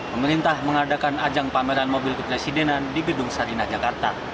pemerintah mengadakan ajang pameran mobil kepresidenan di gedung sarinah jakarta